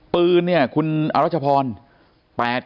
ปืนอาจมรรยาพรเนี่ย